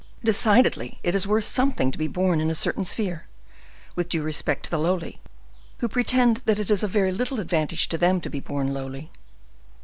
Decidedly it is worth something to be born in a certain sphere, with due respect to the lowly, who pretend that it is of very little advantage to them to be born lowly."